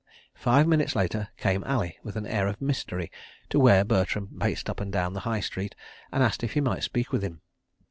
Five minutes later came Ali with an air of mystery to where Bertram paced up and down the "High Street," and asked if he might speak with him.